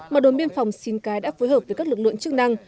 mà đồn biên phòng xin cái đã phối hợp với các lực lượng chức năng